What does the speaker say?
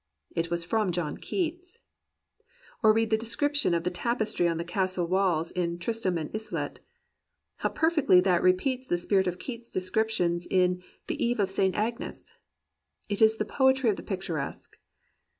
It was from John Keats. Or read the de scription of the tapestry on the castle walls in "Tris 178 THE POET OF IMMORTAL YOUTH tram and Iseult.'* How perfectly that repeats the spirit of Keats 's descriptions in "The Eve of St. Agnes" ! It is the poetry of the picturesque.